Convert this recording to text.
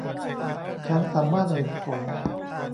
ฉันสามารถเห็นฝน